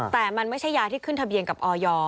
แต่มันไม่ใช่ยาที่ขึ้นทะเบียนกับออย